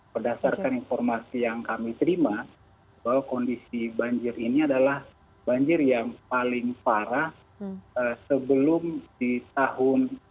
berdasarkan informasi yang kami terima bahwa kondisi banjir ini adalah banjir yang paling parah sebelum di tahun seribu sembilan ratus enam puluh lima